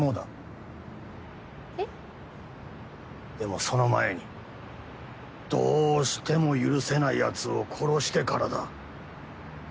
でもその前にどうしても許せないやつを殺してからだ。